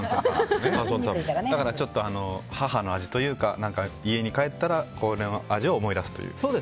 だから母の味というか家に帰ったらこの味を思い出すという。